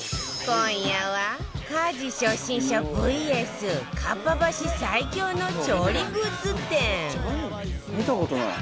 今夜は家事初心者 ＶＳ かっぱ橋最強の調理グッズ店見た事ない。